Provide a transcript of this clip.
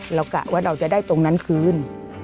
กะว่าเราจะได้ตรงนั้นคืน